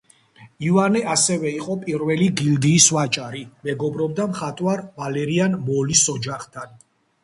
ივანე ასევე იყო პირველი გილდიის ვაჭარი, მეგობრობდა მხატვარ ვალერიან მოლის ოჯახთან.